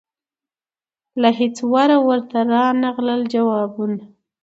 له هیڅ وره ورته رانغلل جوابونه